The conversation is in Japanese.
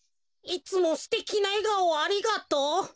「いつもすてきなえがおをありがとう。